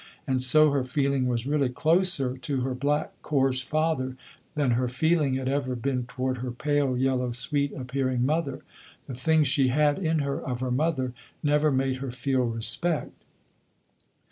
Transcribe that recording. And so her feeling was really closer to her black coarse father, than her feeling had ever been toward her pale yellow, sweet appearing mother. The things she had in her of her mother never made her feel respect.